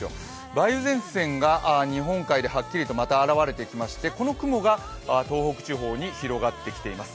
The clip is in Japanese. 梅雨前線が日本海でまたはっきりとあらわれてきましてこの雲が東北地方に広がってきています。